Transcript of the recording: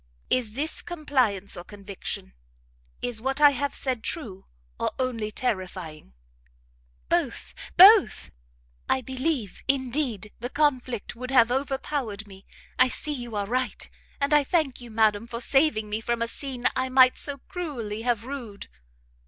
"Is this compliance or conviction? Is what I have said true, or only terrifying?" "Both, both! I believe, indeed, the conflict would have overpowered me, I see you are right, and I thank you, madam, for saving me from a scene I might so cruelly have rued."